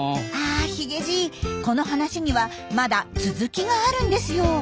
あヒゲじいこの話にはまだ続きがあるんですよ。